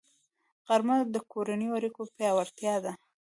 غرمه د کورنیو اړیکو پیاوړتیا ده